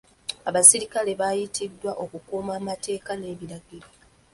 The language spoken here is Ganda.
Abasirikale baayitiddwa okukuuma amateeka n'ebiragiro.